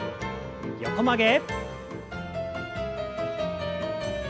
横曲げ。